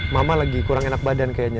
mama lagi kurang enak badan kayaknya